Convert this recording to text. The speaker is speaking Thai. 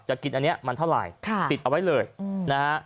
กินอันนี้มันเท่าไหร่ติดเอาไว้เลยนะฮะ